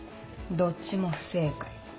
どっちも不正解。